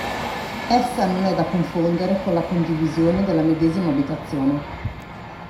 Essa non è da confondere con la condivisione della medesima abitazione.